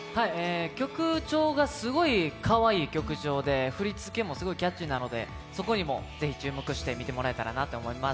曲調がすごいかわいい曲調で振り付けもすごいキャッチーなのでそこにも是非注目して見てほしいと思います